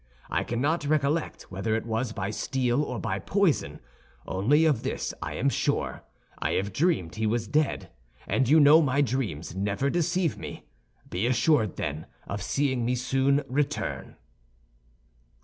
I cannot recollect whether it was by steel or by poison; only of this I am sure, I have dreamed he was dead, and you know my dreams never deceive me. Be assured, then, of seeing me soon return."